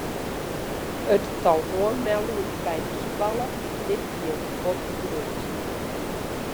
It tal oanmeldingen by de skoalle is dit jier bot groeid.